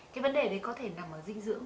cái vấn đề đấy có thể nằm ở dinh dưỡng